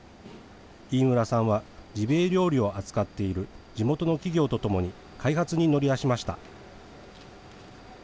飯村さんはジビエ料理を扱っている地元の企業とともに開発に乗り出しました。